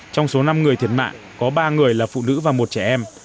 trong số năm người thiệt mạng có ba người là phụ nữ và một trẻ em